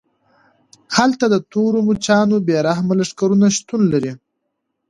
هلته د تورو مچانو بې رحمه لښکرې شتون لري